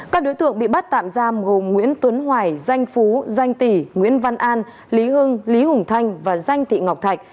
các đối tượng bị bắt tạm giam gồm nguyễn tuấn hoài danh phú danh tỷ nguyễn văn an lý hưng lý hùng thanh và danh thị ngọc thạch